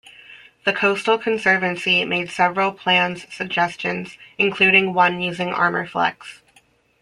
The Coastal Conservancy made several plans suggestions, including one using Armorflex.